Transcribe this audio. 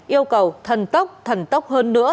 yêu cầu thần tốc thần tốc hơn nữa